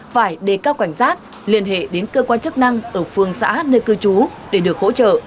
phải đề cao cảnh giác liên hệ đến cơ quan chức năng ở phương xã nơi cư trú để được hỗ trợ